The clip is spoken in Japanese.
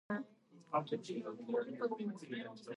あの日あの時